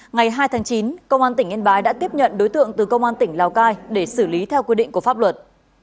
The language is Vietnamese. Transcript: ngày hai tháng chín công an tỉnh yên bái đã tiếp nhận đối tượng từ công an tỉnh lào cai để xử lý theo quy định của pháp luật